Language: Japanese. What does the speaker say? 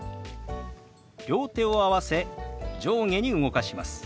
両手を合わせ上下に動かします。